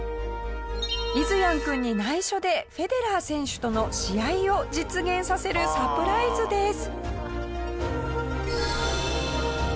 イズヤン君に内緒でフェデラー選手との試合を実現させるサプライズです。